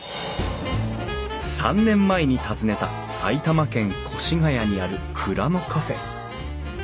３年前に訪ねた埼玉県越谷にある蔵のカフェ。